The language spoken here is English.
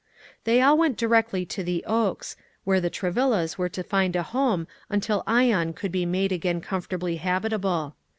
They all went directly to the Oaks, where the Travillas were to find a home until Ion could be made again comfortably habitable.